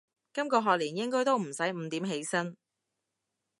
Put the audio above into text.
今個學年應該都唔使五點起身